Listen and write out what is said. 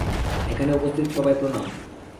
এখানে উপস্থিত সবাই প্রণাম।